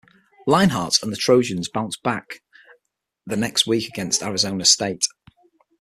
Leinart and the Trojans bounced back the next week against Arizona State.